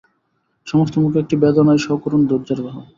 সমস্ত মুখে একটি বেদনায় সকরুণ ধৈর্যের ভাব।